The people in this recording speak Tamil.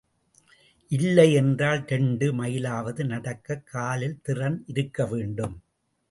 இல்லை என்றால் இரண்டு மைலாவது நடக்கக் காலில் திறன் இருக்க வேண்டும்.